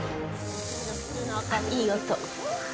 あっ、いい音。